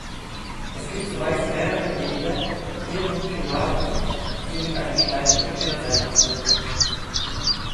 Es gibt zumeist mehrere Jäger, hier nun Piraten, die mit einer Schleife gekennzeichnet sind.